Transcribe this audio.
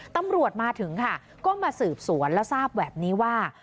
ตำรวจมาถึงค่ะก็มาสืบสวนแล้วทราบแบบนี้ว่า